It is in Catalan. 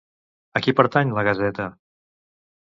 A qui pertany la gaseta?